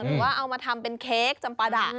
หรือว่าเอามาทำเป็นเค้กจำปะดะ